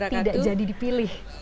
dan yang tidak jadi dipilih